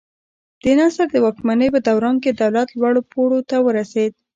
د نصر د واکمنۍ په دوران کې دولت لوړو پوړیو ته ورسېد.